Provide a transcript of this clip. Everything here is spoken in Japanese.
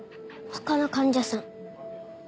他の患者さん。